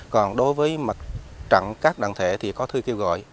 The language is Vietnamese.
còn đối với mặt trận các đoàn thể thì có thư kêu gọi